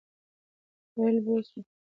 ویل بوه سوم.